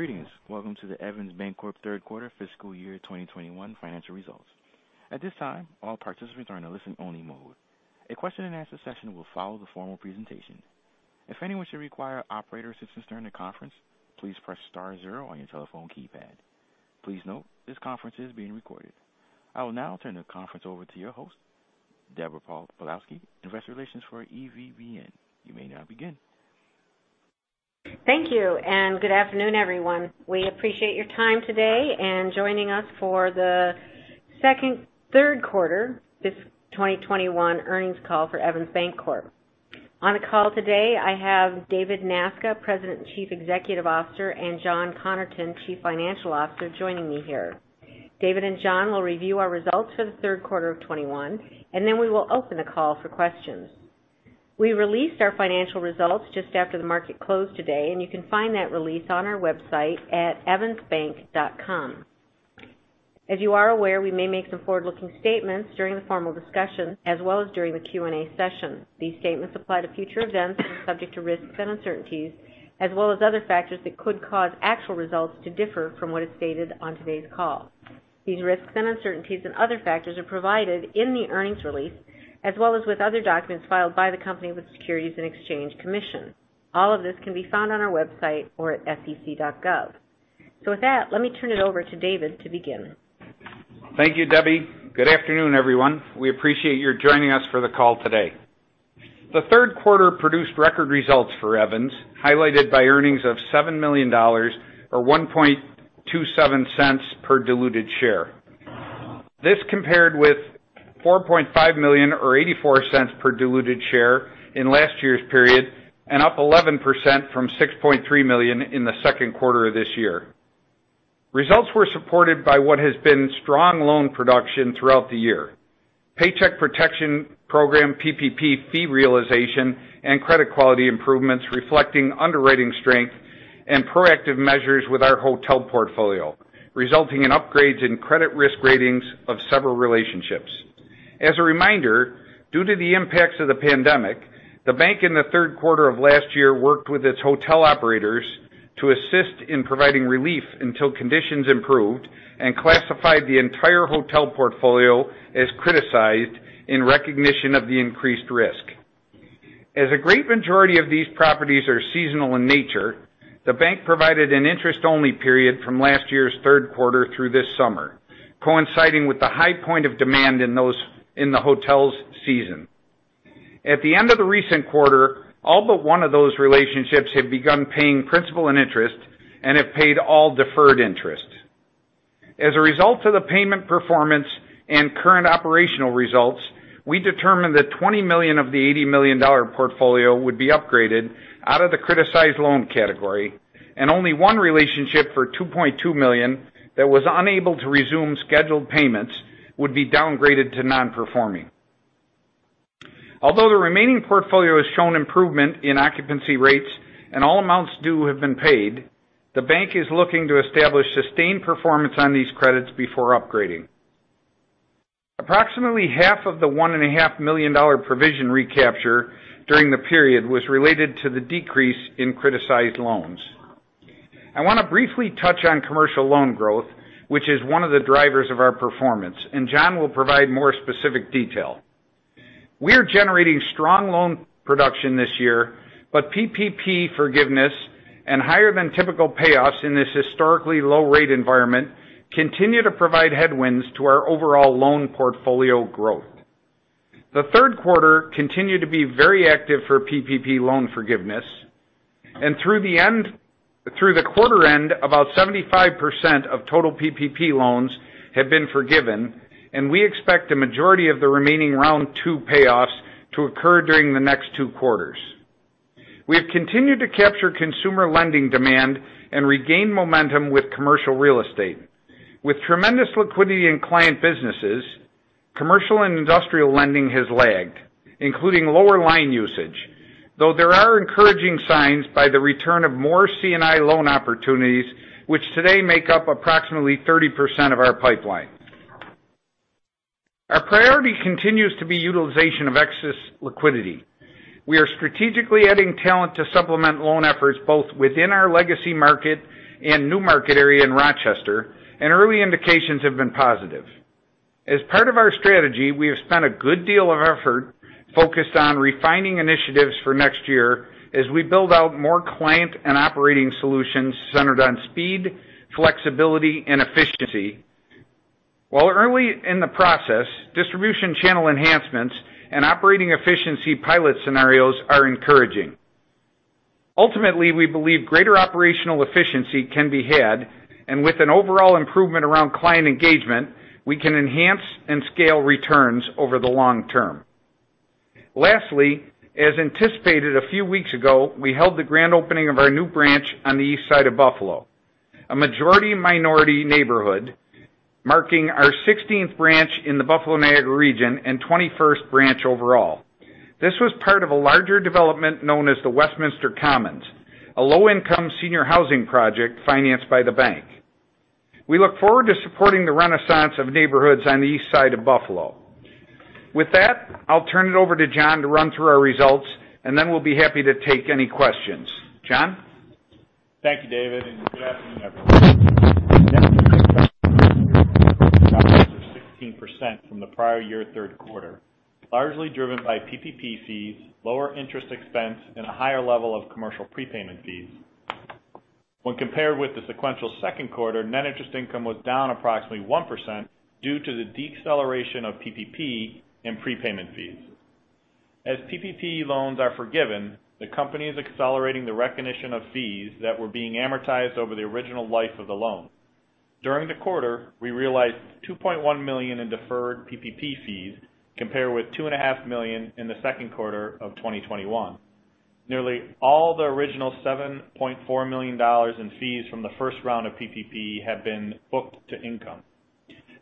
Greetings. Welcome to the Evans Bancorp third quarter fiscal year 2021 financial results. At this time, all participants are in a listen-only mode. A question and answer session will follow the formal presentation. If anyone should require operator assistance during the conference, please press star zero on your telephone keypad. Please note, this conference is being recorded. I will now turn the conference over to your host, Deborah Pawlowski, Investment Relations for EVBN. You may now begin. Thank you, and good afternoon, everyone. We appreciate your time today and joining us for the third quarter, these 2021 earnings call for Evans Bancorp. On the call today, I have David Nasca, President and Chief Executive Officer, and John Connerton, Chief Financial Officer, joining me here. David and John will review our results for the third quarter of 2021, and then we will open the call for questions. We released our financial results just after the market closed today, and you can find that release on our website at evansbank.com. As you are aware, we may make some forward-looking statements during the formal discussion as well as during the Q&A session. These statements apply to future events and are subject to risks and uncertainties, as well as other factors that could cause actual results to differ from what is stated on today's call. These risks and uncertainties and other factors are provided in the earnings release, as well as with other documents filed by the company with Securities and Exchange Commission. All of this can be found on our website or at sec.gov. With that, let me turn it over to David to begin. Thank you, Debbie. Good afternoon, everyone. We appreciate your joining us for the call today. The third quarter produced record results for Evans, highlighted by earnings of $7 million or $1.27 per diluted share. This compared with $4.5 million or $0.84 per diluted share in last year's period and up 11% from $6.3 million in the second quarter of this year. Results were supported by what has been strong loan production throughout the year. Paycheck Protection Program, PPP, fee realization, and credit quality improvements reflecting underwriting strength and proactive measures with our hotel portfolio, resulting in upgrades in credit risk ratings of several relationships. As a reminder, due to the impacts of the pandemic, the bank in the third quarter of last year worked with its hotel operators to assist in providing relief until conditions improved and classified the entire hotel portfolio as criticized in recognition of the increased risk. As a great majority of these properties are seasonal in nature, the bank provided an interest-only period from last year's third quarter through this summer, coinciding with the high point of demand in those in the hotel's season. At the end of the recent quarter, all but one of those relationships have begun paying principal and interest and have paid all deferred interest. As a result of the payment performance and current operational results, we determined that $20 million of the $80 million portfolio would be upgraded out of the criticized loan category, and only one relationship for $2.2 million that was unable to resume scheduled payments would be downgraded to non-performing. Although the remaining portfolio has shown improvement in occupancy rates and all amounts due have been paid, the bank is looking to establish sustained performance on these credits before upgrading. Approximately half of the $1.5 million provision recapture during the period was related to the decrease in criticized loans. I wanna briefly touch on commercial loan growth, which is one of the drivers of our performance, and John will provide more specific detail. We are generating strong loan production this year, but PPP forgiveness and higher than typical payoffs in this historically low rate environment continue to provide headwinds to our overall loan portfolio growth. The third quarter continued to be very active for PPP loan forgiveness, and through the quarter end, about 75% of total PPP loans have been forgiven, and we expect the majority of the remaining round two payoffs to occur during the next two quarters. We have continued to capture consumer lending demand and regain momentum with commercial real estate. With tremendous liquidity in client businesses, commercial and industrial lending has lagged, including lower line usage. Though there are encouraging signs of the return of more C&I loan opportunities, which today make up approximately 30% of our pipeline. Our priority continues to be utilization of excess liquidity. We are strategically adding talent to supplement loan efforts, both within our legacy market and new market area in Rochester, and early indications have been positive. As part of our strategy, we have spent a good deal of effort focused on refining initiatives for next year as we build out more client and operating solutions centered on speed, flexibility, and efficiency. While early in the process, distribution channel enhancements and operating efficiency pilot scenarios are encouraging. Ultimately, we believe greater operational efficiency can be had, and with an overall improvement around client engagement, we can enhance and scale returns over the long term. Lastly, as anticipated a few weeks ago, we held the grand opening of our new branch on the east side of Buffalo, a majority-minority neighborhood marking our 16th branch in the Buffalo Niagara region and 21st branch overall. This was part of a larger development known as the Westminster Commons, a low-income senior housing project financed by the bank. We look forward to supporting the renaissance of neighborhoods on the east side of Buffalo. With that, I'll turn it over to John to run through our results, and then we'll be happy to take any questions. John? Thank you, David, and good afternoon, everyone. 16% from the prior year third quarter, largely driven by PPP fees, lower interest expense, and a higher level of commercial prepayment fees. When compared with the sequential second quarter, net interest income was down approximately 1% due to the deceleration of PPP and prepayment fees. As PPP loans are forgiven, the company is accelerating the recognition of fees that were being amortized over the original life of the loan. During the quarter, we realized $2.1 million in deferred PPP fees, compared with $2.5 million in the second quarter of 2021. Nearly all the original $7.4 million in fees from the first round of PPP have been booked to income.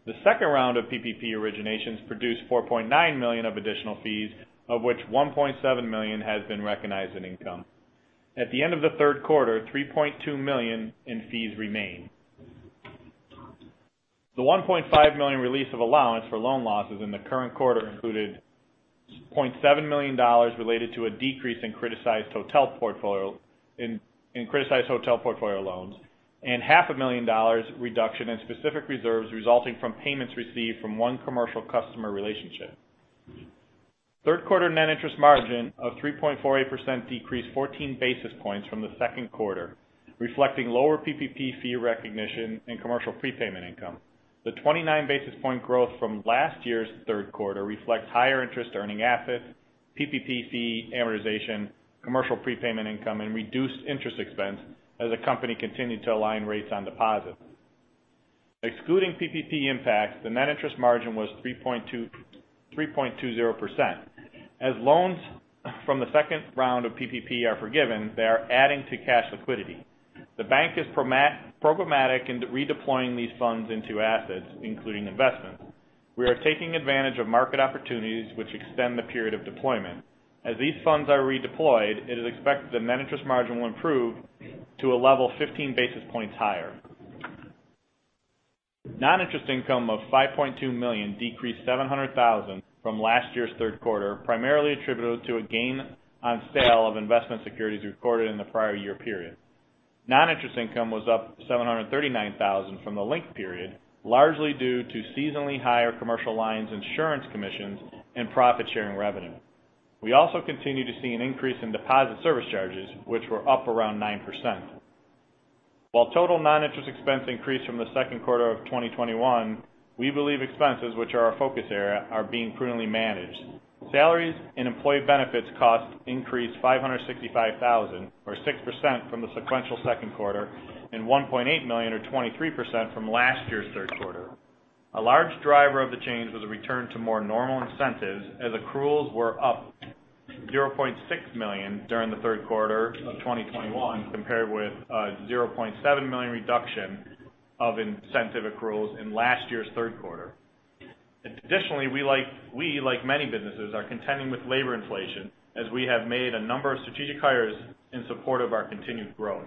The second round of PPP originations produced $4.9 million of additional fees, of which $1.7 million has been recognized in income. At the end of the third quarter, $3.2 million in fees remain. The $1.5 million release of allowance for loan losses in the current quarter included $0.7 million related to a decrease in criticized hotel portfolio loans and half a million dollars reduction in specific reserves resulting from payments received from one commercial customer relationship. Third quarter net interest margin of 3.48% decreased 14 basis points from the second quarter, reflecting lower PPP fee recognition and commercial prepayment income. The 29 basis point growth from last year's third quarter reflects higher interest earning assets, PPP fee amortization, commercial prepayment income, and reduced interest expense as the company continued to align rates on deposits. Excluding PPP impacts, the net interest margin was 3.20%. As loans from the second round of PPP are forgiven, they are adding to cash liquidity. The bank is programmatic in redeploying these funds into assets, including investments. We are taking advantage of market opportunities which extend the period of deployment. As these funds are redeployed, it is expected the net interest margin will improve to a level 15 basis points higher. Non-interest income of $5.2 million decreased $700,000 from last year's third quarter, primarily attributable to a gain on sale of investment securities recorded in the prior year period. Non-interest income was up $739,000 from the linked period, largely due to seasonally higher commercial lines insurance commissions and profit-sharing revenue. We also continue to see an increase in deposit service charges, which were up around 9%. While total non-interest expense increased from the second quarter of 2021, we believe expenses, which are our focus area, are being prudently managed. Salaries and employee benefits costs increased $565,000, or 6% from the sequential second quarter, and $1.8 million or 23% from last year's third quarter. A large driver of the change was a return to more normal incentives, as accruals were up $0.6 million during the third quarter of 2021, compared with zero point seven million reduction of incentive accruals in last year's third quarter. Additionally, we, like many businesses, are contending with labor inflation as we have made a number of strategic hires in support of our continued growth.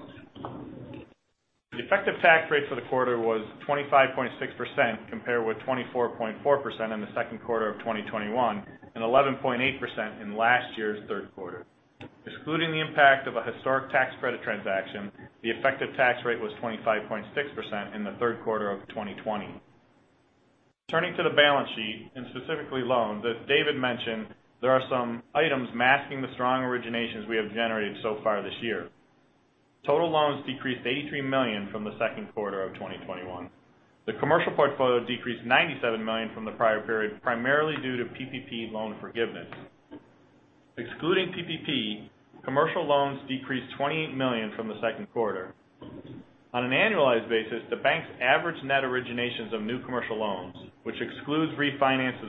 The effective tax rate for the quarter was 25.6%, compared with 24.4% in the second quarter of 2021 and 11.8% in last year's third quarter. Excluding the impact of a historic tax credit transaction, the effective tax rate was 25.6% in the third quarter of 2020. Turning to the balance sheet, and specifically loans, as David mentioned, there are some items masking the strong originations we have generated so far this year. Total loans decreased $83 million from the second quarter of 2021. The commercial portfolio decreased $97 million from the prior period, primarily due to PPP loan forgiveness. Excluding PPP, commercial loans decreased $28 million from the second quarter. On an annualized basis, the bank's average net originations of new commercial loans, which excludes refinances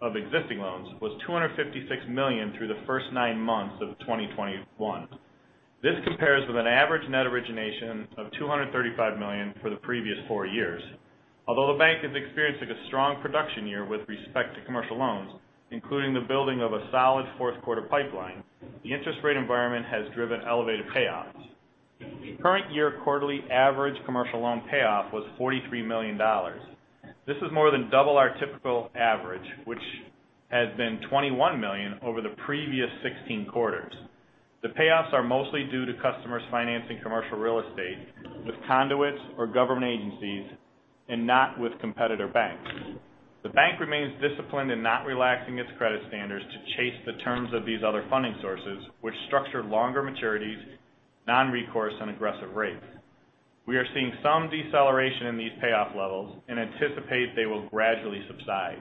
of existing loans, was $256 million through the first nine months of 2021. This compares with an average net origination of $235 million for the previous four years. Although the bank is experiencing a strong production year with respect to commercial loans, including the building of a solid fourth quarter pipeline, the interest rate environment has driven elevated payoffs. Current year quarterly average commercial loan payoff was $43 million. This is more than double our typical average, which has been $21 million over the previous 16 quarters. The payoffs are mostly due to customers financing commercial real estate with conduits or government agencies and not with competitor banks. The bank remains disciplined in not relaxing its credit standards to chase the terms of these other funding sources, which structure longer maturities, non-recourse, and aggressive rates. We are seeing some deceleration in these payoff levels and anticipate they will gradually subside.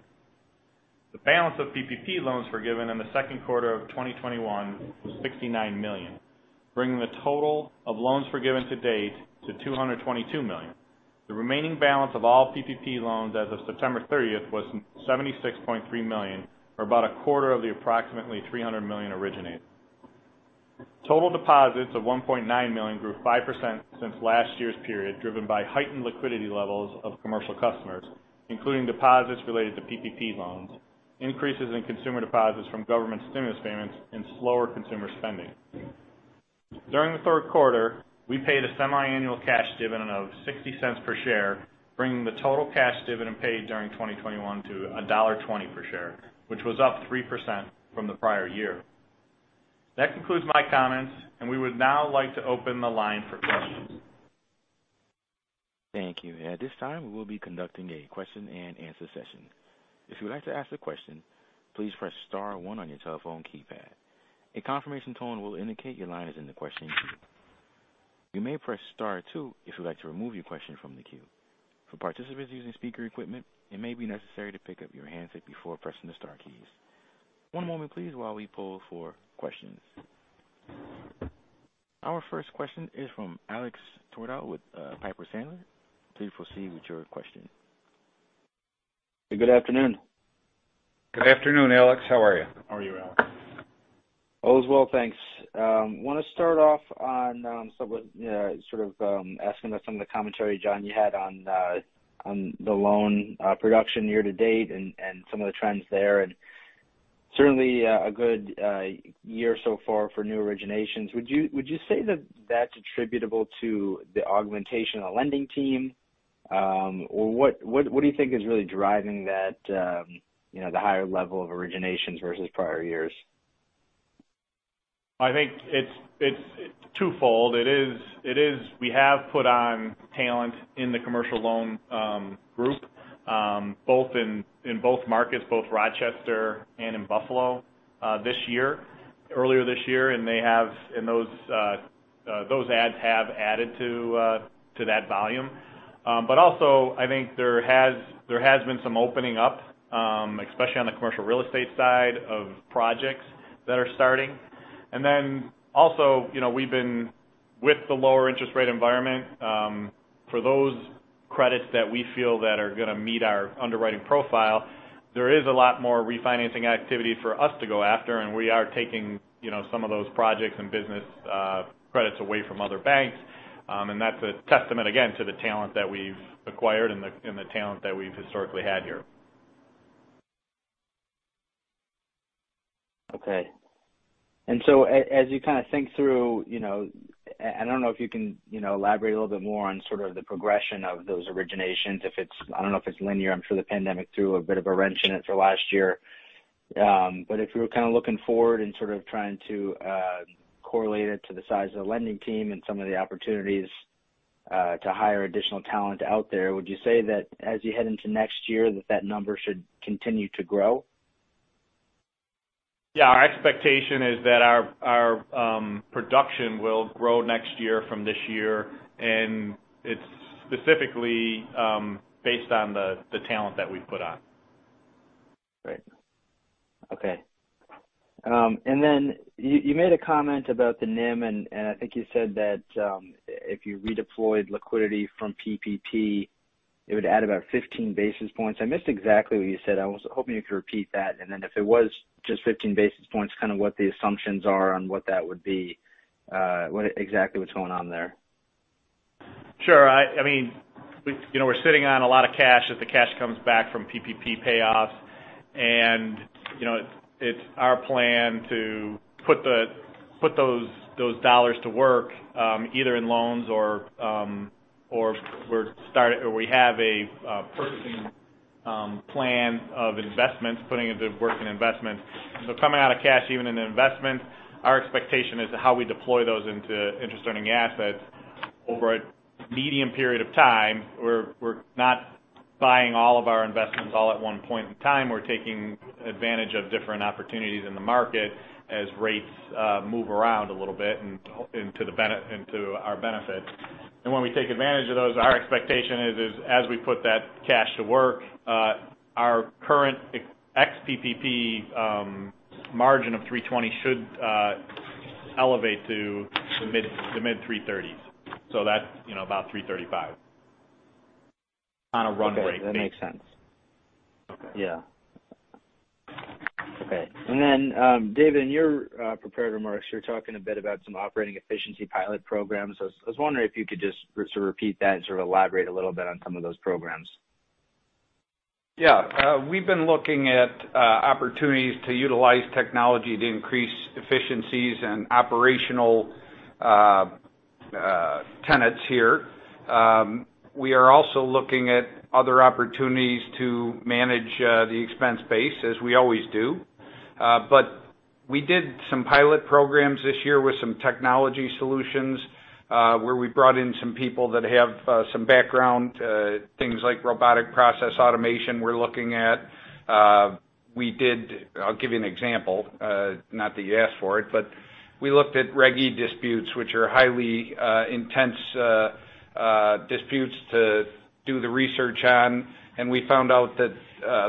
The balance of PPP loans forgiven in the second quarter of 2021 was $69 million, bringing the total of loans forgiven to date to $222 million. The remaining balance of all PPP loans as of September 30th was $76.3 million, or about a quarter of the approximately $300 million originated. Total deposits of $1.9 billion grew 5% since last year's period, driven by heightened liquidity levels of commercial customers, including deposits related to PPP loans. Increases in consumer deposits from government stimulus payments and slower consumer spending. During the third quarter, we paid a semiannual cash dividend of $0.60 per share, bringing the total cash dividend paid during 2021 to $1.20 per share, which was up 3% from the prior year. That concludes my comments, and we would now like to open the line for questions. Thank you. At this time, we will be conducting a question and answer session. If you would like to ask a question, please press star one on your telephone keypad. A confirmation tone will indicate your line is in the question queue. You may press star two if you'd like to remove your question from the queue. For participants using speaker equipment, it may be necessary to pick up your handset before pressing the star keys. One moment please while we poll for questions. Our first question is from Alex Twerdahl with Piper Sandler. Please proceed with your question. Good afternoon. Good afternoon, Alex. How are you? How are you, Alex? All is well, thanks. Want to start off on sort of, you know, sort of asking about some of the commentary, John, you had on the loan production year to date and some of the trends there. Certainly a good year so far for new originations. Would you say that that's attributable to the augmentation of lending team? Or what do you think is really driving that, you know, the higher level of originations versus prior years? I think it's twofold. It is we have put on talent in the commercial loan group both in both markets, both Rochester and in Buffalo this year, earlier this year. They have, and those adds have added to that volume. But also I think there has been some opening up especially on the commercial real estate side of projects that are starting. Then also, you know, we've been with the lower interest rate environment for those credits that we feel that are gonna meet our underwriting profile, there is a lot more refinancing activity for us to go after, and we are taking, you know, some of those projects and business credits away from other banks. That's a testament again to the talent that we've acquired and the talent that we've historically had here. Okay. As you kind of think through, you know, I don't know if you can, you know, elaborate a little bit more on sort of the progression of those originations. If it's, I don't know if it's linear. I'm sure the pandemic threw a bit of a wrench in it for last year. If you were kind of looking forward and sort of trying to correlate it to the size of the lending team and some of the opportunities to hire additional talent out there, would you say that as you head into next year that number should continue to grow? Yeah. Our expectation is that our production will grow next year from this year. It's specifically based on the talent that we've put on. Great. Okay. And then you made a comment about the NIM and I think you said that if you redeployed liquidity from PPP, it would add about 15 basis points. I missed exactly what you said. I was hoping you could repeat that. If it was just 15 basis points, kind of what the assumptions are on what that would be, what exactly what's going on there. Sure. I mean, we, you know, we're sitting on a lot of cash as the cash comes back from PPP payoffs. You know, it's our plan to put those dollars to work either in loans or we have a purchasing plan of investments, putting into work and investments. Coming out of cash, even in investment, our expectation is how we deploy those into interest earning assets over a medium period of time. We're not buying all of our investments all at one point in time. We're taking advantage of different opportunities in the market as rates move around a little bit and into our benefit. When we take advantage of those, our expectation is as we put that cash to work, our current ex-PPP margin of 3.20% should elevate to the mid-3.30s%. That's, you know, about 3.35% on a run rate. Okay. That makes sense. Okay. Yeah. Okay. Then, David, in your prepared remarks, you're talking a bit about some operating efficiency pilot programs. I was wondering if you could just sort of repeat that and sort of elaborate a little bit on some of those programs? Yeah. We've been looking at opportunities to utilize technology to increase efficiencies and operational tenets here. We are also looking at other opportunities to manage the expense base, as we always do. We did some pilot programs this year with some technology solutions, where we brought in some people that have some background. Things like robotic process automation we're looking at. I'll give you an example, not that you asked for it, but we looked at Reg E disputes, which are highly intense disputes to do the research on. We found out that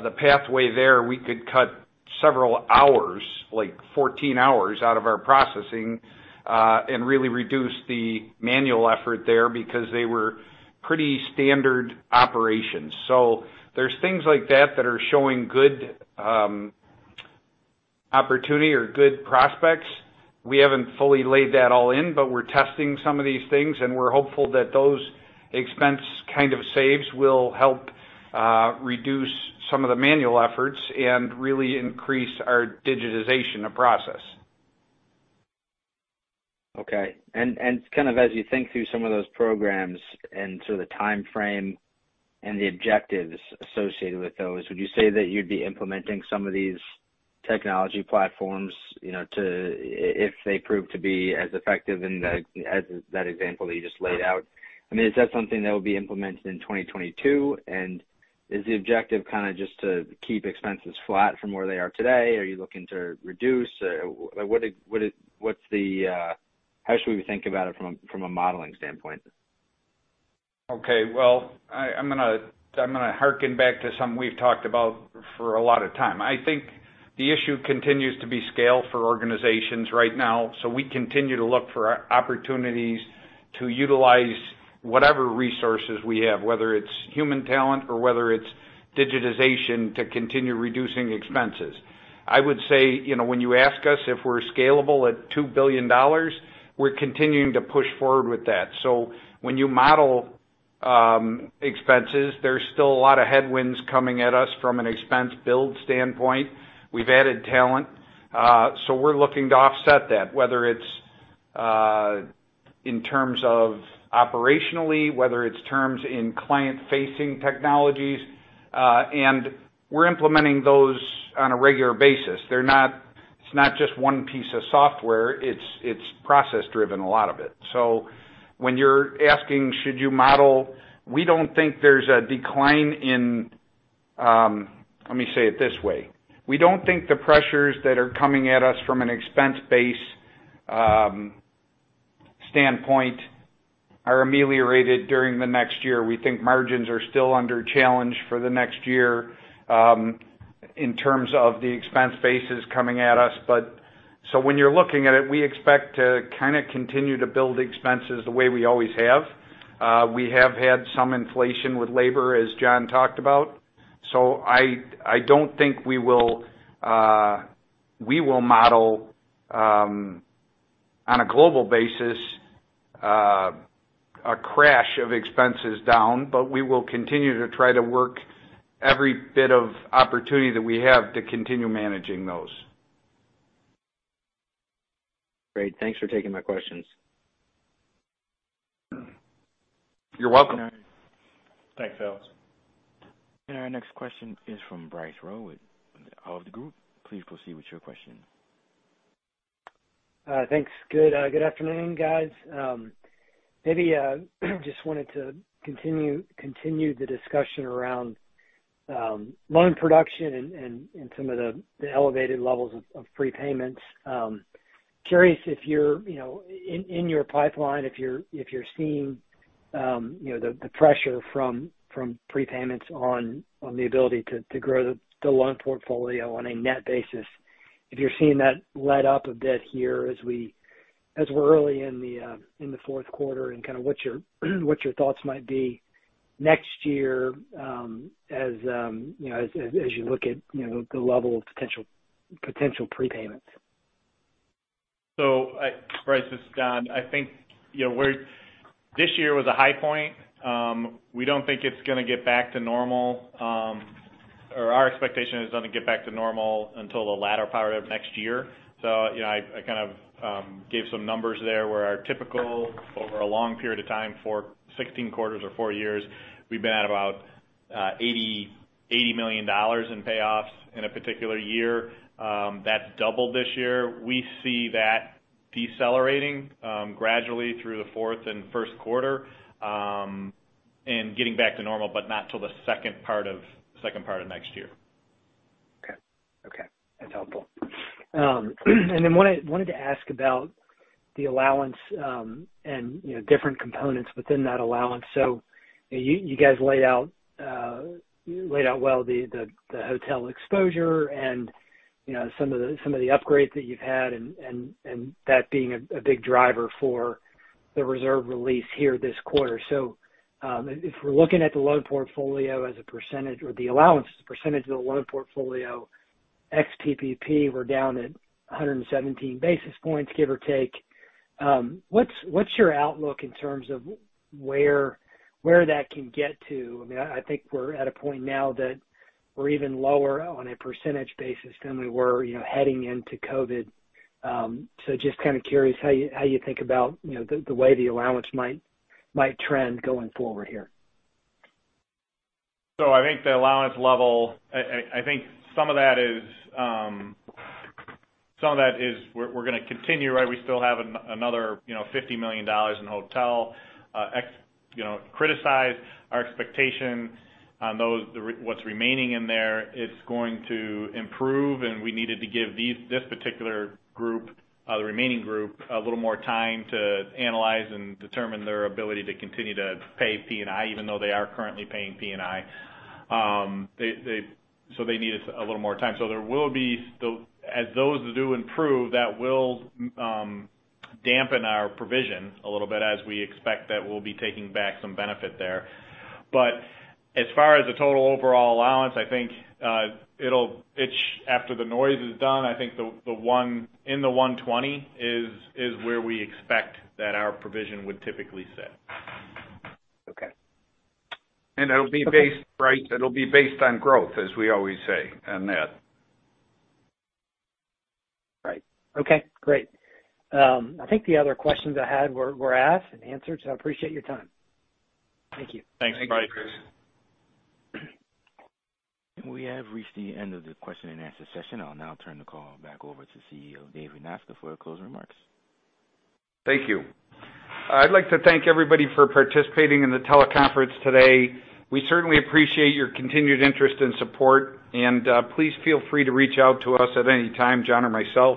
the pathway there, we could cut several hours, like 14 hours, out of our processing, and really reduce the manual effort there because they were pretty standard operations. There's things like that that are showing good. Opportunity or good prospects. We haven't fully laid that all in, but we're testing some of these things, and we're hopeful that those expense kind of savings will help, reduce some of the manual efforts and really increase our digitization of process. Okay. Kind of as you think through some of those programs and sort of the timeframe and the objectives associated with those, would you say that you'd be implementing some of these technology platforms, you know, if they prove to be as effective as that example that you just laid out? I mean, is that something that will be implemented in 2022, and is the objective kind of just to keep expenses flat from where they are today? Are you looking to reduce? How should we think about it from a modeling standpoint? Okay. Well, I'm gonna harken back to something we've talked about for a lot of time. I think the issue continues to be scale for organizations right now, so we continue to look for opportunities to utilize whatever resources we have, whether it's human talent or whether it's digitization to continue reducing expenses. I would say, you know, when you ask us if we're scalable at $2 billion, we're continuing to push forward with that. When you model expenses, there's still a lot of headwinds coming at us from an expense build standpoint. We've added talent, so we're looking to offset that, whether it's in terms of operationally, whether it's through client-facing technologies, and we're implementing those on a regular basis. It's not just one piece of software, it's process-driven, a lot of it. When you're asking should you model, we don't think there's a decline in. Let me say it this way. We don't think the pressures that are coming at us from an expense-based standpoint are ameliorated during the next year. We think margins are still under challenge for the next year in terms of the expense bases coming at us. When you're looking at it, we expect to kinda continue to build expenses the way we always have. We have had some inflation with labor, as John talked about. I don't think we will model on a global basis a crash of expenses down, but we will continue to try to work every bit of opportunity that we have to continue managing those. Great. Thanks for taking my questions. You're welcome. Thanks, Twerdahl. Our next question is from Bryce Rowe of Hovde Group. Please go ahead with your question. Thanks. Good afternoon, guys. Maybe just wanted to continue the discussion around loan production and some of the elevated levels of prepayments. Curious if you're, you know, in your pipeline, if you're seeing, you know, the pressure from prepayments on the ability to grow the loan portfolio on a net basis. If you're seeing that let up a bit here as we're early in the fourth quarter, and kind of what your thoughts might be next year, as you know, as you look at, you know, the level of potential prepayments. Bryce, this is John. I think, you know, this year was a high point. We don't think it's gonna get back to normal, or our expectation is it's gonna get back to normal until the latter part of next year. You know, I kind of gave some numbers there where our typical over a long period of time for 16 quarters or four years, we've been at about $80 million in payoffs in a particular year. That's doubled this year. We see that decelerating gradually through the fourth and first quarter and getting back to normal, but not till the second part of next year. Okay. Okay, that's helpful. Then what I wanted to ask about the allowance, you know, different components within that allowance. You guys laid out well the hotel exposure and, you know, some of the upgrades that you've had and that being a big driver for the reserve release here this quarter. If we're looking at the loan portfolio as a percentage or the allowance as a percentage of the loan portfolio ex PPP, we're down at 117 basis points, give or take. What's your outlook in terms of where that can get to? I mean, I think we're at a point now that we're even lower on a percentage basis than we were, you know, heading into COVID. Just kind of curious how you think about, you know, the way the allowance might trend going forward here. I think the allowance level. I think some of that is we're gonna continue, right? We still have another, you know, $50 million in hotel exposure, you know, criticized our expectation on those. The remaining what's remaining in there is going to improve, and we needed to give this particular group, the remaining group, a little more time to analyze and determine their ability to continue to pay P&I, even though they are currently paying P&I. They need a little more time. There will still be. As those do improve, that will dampen our provision a little bit, as we expect that we'll be taking back some benefit there. As far as the total overall allowance, I think after the noise is done, I think the 120 is where we expect that our provision would typically sit. Okay. It'll be based. Okay. Right. It'll be based on growth, as we always say, on that. Right. Okay, great. I think the other questions I had were asked and answered, so I appreciate your time. Thank you. Thanks, Bryce. Thank you. We have reached the end of the question and answer session. I'll now turn the call back over to CEO David Nasca for closing remarks. Thank you. I'd like to thank everybody for participating in the teleconference today. We certainly appreciate your continued interest and support, and please feel free to reach out to us at any time, John or myself.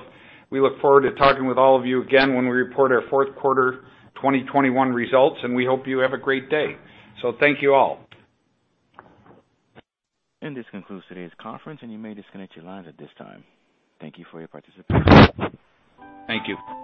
We look forward to talking with all of you again when we report our fourth quarter 2021 results, and we hope you have a great day. Thank you all. This concludes today's conference, and you may disconnect your lines at this time. Thank you for your participation. Thank you.